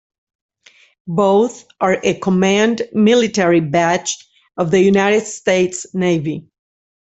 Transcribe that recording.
Both are a command military badge of the United States Navy.